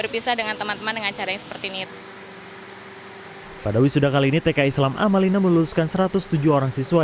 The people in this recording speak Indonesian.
pada wisuda kali ini tki islam amalina meluluskan satu ratus tujuh orang siswa